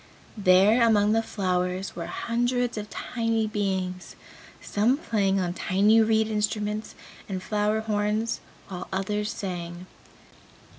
There among the flowers were hundreds of tiny beings, some playing on tiny reed instruments and flower horns, while others sang.